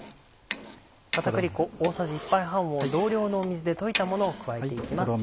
片栗粉大さじ１杯半を同量の水で溶いたものを加えて行きます。